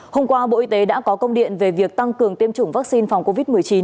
hôm qua bộ y tế đã có công điện về việc tăng cường tiêm chủng vaccine phòng covid một mươi chín